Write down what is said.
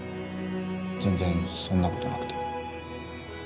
全然そんなことなくて。